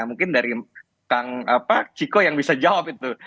mungkin dari kang chiko yang bisa jawab itu